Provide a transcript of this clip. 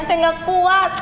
saya gak kuat